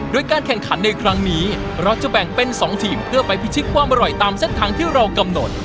โดยการแข่งขันในครั้งนี้เราจะแบ่งเป็น๒ทีมเพื่อไปพิชิตความอร่อยตามเส้นทางที่เรากำหนด